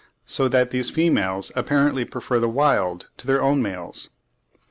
So that these females apparently prefer the wild to their own males.